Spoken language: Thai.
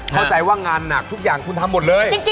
เข้าใจว่างานหนักทุกอย่างคุณทำหมดเลย